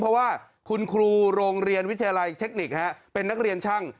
เพราะว่าคุณครูโรงเรียนวิทยาลัยเทคนิคเป็นนักเรียนช่าง